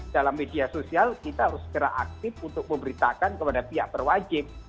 dalam media sosial kita harus segera aktif untuk memberitakan kepada pihak berwajib